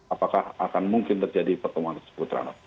apakah akan mungkin terjadi pertemuan tersebut